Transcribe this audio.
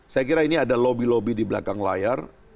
saya kira ini ada lobby lobby di belakang layar